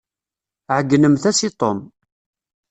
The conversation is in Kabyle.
Ɛeyynemt-as i Tom.